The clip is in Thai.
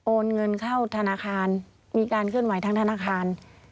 เงินเข้าธนาคารมีการเคลื่อนไหวทางธนาคาร